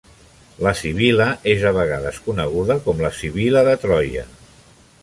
La Sibil·la és a vegades coneguda com la Sibil·la de Troia.